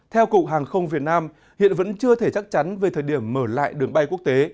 theo cục hàng không việt nam hiện vẫn chưa thể chắc chắn về thời điểm mở lại đường bay quốc tế